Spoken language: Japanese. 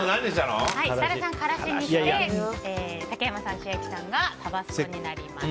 設楽さん、辛子にして竹山さん、千秋さんがタバスコになりました。